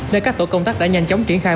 nên các tổ công tác đã nhanh chóng triển khai